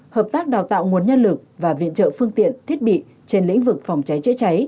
hợp tác đào tạo nguồn nhân lực và viện trợ phương tiện thiết bị trên lĩnh vực phòng cháy chữa cháy